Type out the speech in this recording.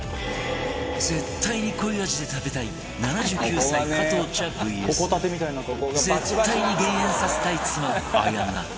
絶対に濃い味で食べたい７９歳加藤茶 ＶＳ 絶対に減塩させたい妻綾菜